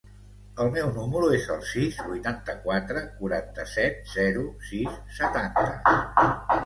El meu número es el sis, vuitanta-quatre, quaranta-set, zero, sis, setanta.